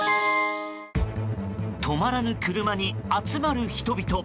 止まらぬ車に集まる人々。